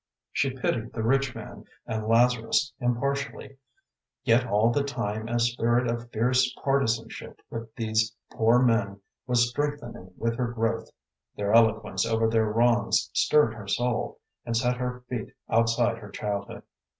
She pitied the rich man and Lazarus impartially, yet all the time a spirit of fierce partisanship with these poor men was strengthening with her growth, their eloquence over their wrongs stirred her soul, and set her feet outside her childhood.